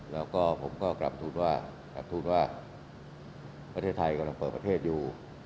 แล้วก็ผมกลับทูลว่าประเทศไทยกำลังเปิดประเทศอยู่